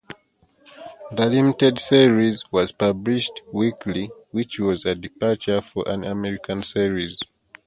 The limited series was published weekly, which was a departure for an American series.